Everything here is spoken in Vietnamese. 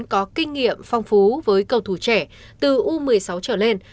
có kinh nghiệm phong phú với cầu thủ trẻ từ u một mươi sáu trở lên